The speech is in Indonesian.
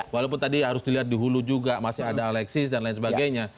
walaupun tadi harus dilihat di hulu juga masih ada alexis dan lain sebagainya